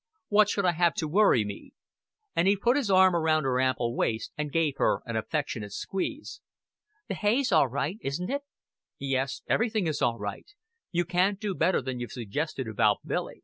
"What should I have to worry me?" and he put his arm round her ample waist, and gave her an affectionate squeeze. "The hay's all right, isn't it?" "Yes, everything is all right.... You can't do better than you've suggested about Billy.